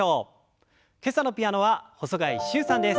今朝のピアノは細貝柊さんです。